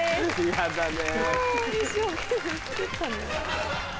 嫌だね。